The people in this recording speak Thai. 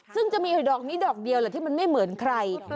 ซึ่งจะมีดอกนี้ดอกเดียวแหละที่มันไม่เหมือนใคร